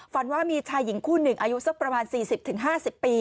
ฝันว่ามีชายหญิงคู่หนึ่งอายุสักประมาณสี่สิบถึงห้าสิบปี